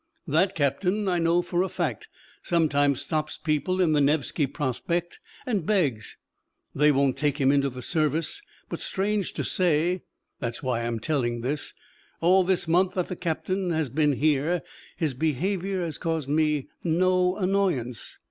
That captain, I know for a fact, sometimes stops people in the Nevsky Prospect and begs. They won't take him into the service, but strange to say (that's why I am telling this), all this month that the captain has been here his behaviour has caused me no annoyance.